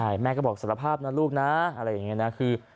ใช่แม่ก็บอกสารภาพนะลูกนะอะไรอย่างนี้นะคือ